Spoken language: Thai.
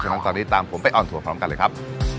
งั้นตอนนี้ตามผมไปออนทัวร์พร้อมกันเลยครับ